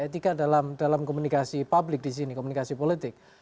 etika dalam komunikasi publik di sini komunikasi politik